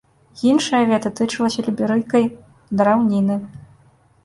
Іншае вета тычылася ліберыйкай драўніны.